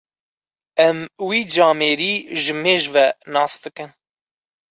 Em wî camêrî ji mêj ve nasdikin.